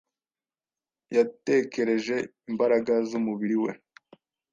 yatekereje imbaraga zumubiri we